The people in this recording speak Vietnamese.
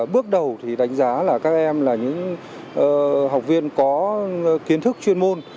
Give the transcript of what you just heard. bước đầu thì đánh giá là các em là những học viên có kiến thức chuyên môn